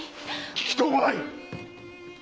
聞きとうもない！